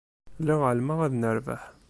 Lliɣ εelmeɣ ad nerbeḥ.